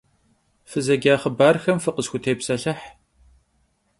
Fızeca xhıbarxem fıkhısxutêpselhıh.